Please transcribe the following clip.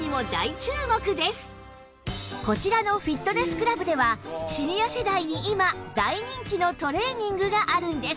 こちらのフィットネスクラブではシニア世代に今大人気のトレーニングがあるんです